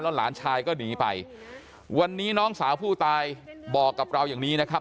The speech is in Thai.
หลานชายก็หนีไปวันนี้น้องสาวผู้ตายบอกกับเราอย่างนี้นะครับ